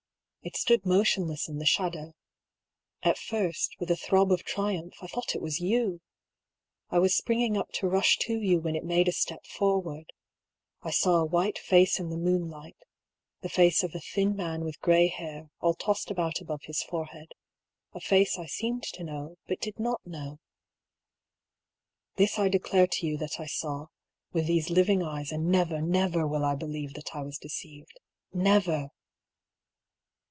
It stood motionless in the shadow. At first, with a throb of triumph, I thought it was you. I was spring ing up to rush to you when it made a step forward. I saw a white face in the moonlight : the face of a thin man with grey hair, all tossed about above his forehead — a face I seemed to know, but did not know. (This I declare to you that I saw, with these living eyes, and never, never will I believe that I was deceived. Never